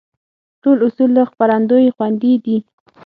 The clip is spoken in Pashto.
ټول اصول له خپرندوى خوندي دي.